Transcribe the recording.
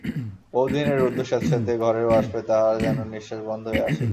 বহুদিনের রুদ্ধ স্যাঁৎসেঁতে ঘরের বাষ্পে তাহার যেন নিশ্বাস বন্ধ হইয়া আসিল।